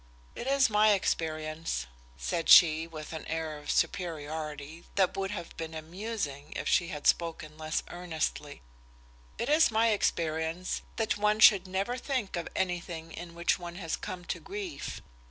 "It is my experience," said she with an air of superiority that would have been amusing if she had spoken less earnestly "it is my experience that one should never think of anything in which one has come to grief.